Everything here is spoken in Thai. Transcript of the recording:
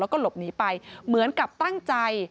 แล้วก็หลบหนีไปเหมือนกับตั้งใจ